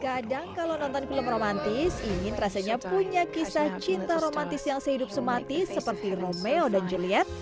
kadang kalau nonton film romantis ingin rasanya punya kisah cinta romantis yang sehidup semati seperti romeo dan juliet